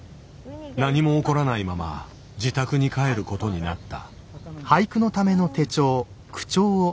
何も起こらないまま自宅に帰ることになった。